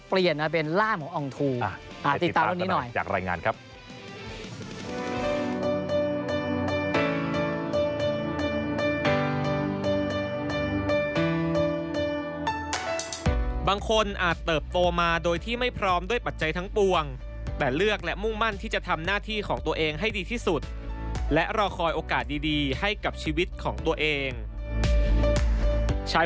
เปลี่ยนมาเป็นร่างขององค์ทูติดตามตรงนี้หน่อย